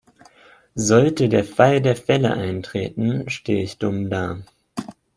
Sollte der Fall der Fälle eintreten, stehe ich dumm da.